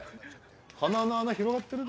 鼻の穴広がってるぞ。